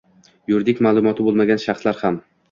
yuridik ma’lumoti bo‘lmagan shaxslar ham